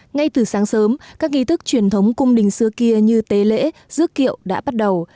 ngay từ sáng sớm các nghi thức truyền thống cung đình xưa kia như tế lễ dước kiệu đã bắt đầu